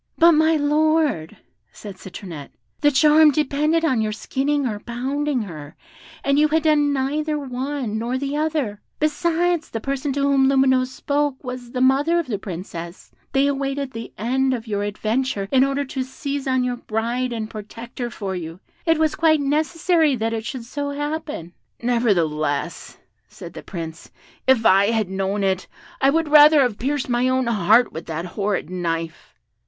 "But, my Lord," said Citronette, "the charm depended on your skinning or pounding her, and you had done neither one nor the other; besides, the person to whom Lumineuse spoke was the mother of the Princess; they awaited the end of your adventure in order to seize on your bride and protect her for you; it was quite necessary that it should so happen." "Nevertheless," said the Prince, "if I had known it, I would rather have pierced my own heart with that horrid knife!"